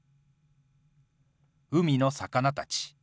海の魚たち。